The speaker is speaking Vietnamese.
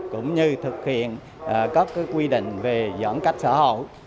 cũng như thực hiện các quy định về giãn cách xã hội